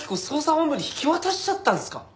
捜査本部に引き渡しちゃったんすか！？